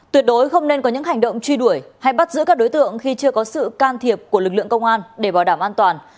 tuyệt đối không nên có những hành động truy đuổi hay bắt giữ các đối tượng khi chưa có sự can thiệp của lực lượng công an để bảo đảm an toàn